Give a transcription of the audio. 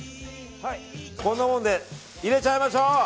こんなもんで入れちゃいましょう。